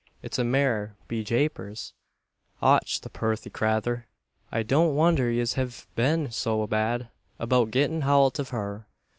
It's a mare, be japers! Och! the purthy crayther! I don't wondher yez hiv been so bad about gettin' howlt av her.